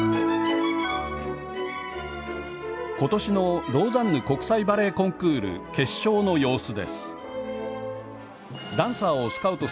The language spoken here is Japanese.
今年のローザンヌ国際バレエコンクール決勝の様子です。